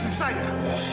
kamu harus berhati hati